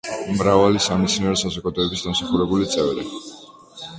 მრავალი სამეცნიერო საზოგადოების დამსახურებული წევრი.